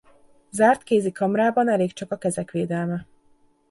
Zárt kézi kamrában elég csak a kezek védelme.